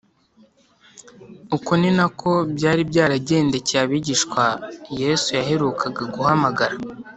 uko ni nako byari byaragendekeye abigishwa yesu yaherukaga guhamagara